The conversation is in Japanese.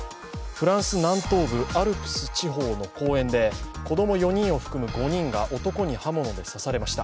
フランス南東部アルプス地方の公園で子供４人を含む５人が男に刃物で刺されました。